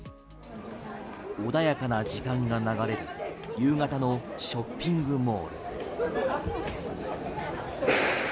穏やかな時間が流れる夕方のショッピングモール。